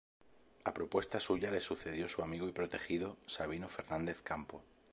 A propuesta suya le sucedió su amigo y protegido Sabino Fernández Campo.